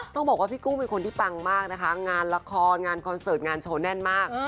ต้องบอกว่าพี่กุ้งเป็นคนที่ปังมากนะคะงานละครงานคอนเสิร์ตงานโชว์แน่นมาก